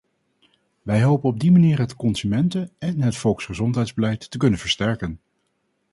Wij hopen op die manier het consumenten- en het volksgezondheidsbeleid te kunnen versterken.